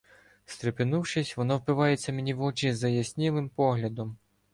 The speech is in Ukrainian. Стрепенувшись, вона впивається мені в очі заяснілим поглядом.